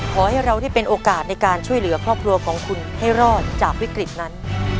ขอให้เราได้เป็นโอกาสในการช่วยเหลือครอบครัวของคุณให้รอดจากวิกฤตนั้น